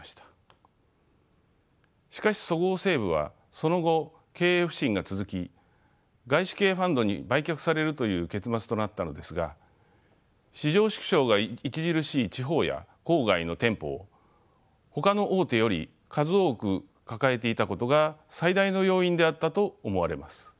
しかしそごう・西武はその後経営不振が続き外資系ファンドに売却されるという結末となったのですが市場縮小が著しい地方や郊外の店舗をほかの大手より数多く抱えていたことが最大の要因であったと思われます。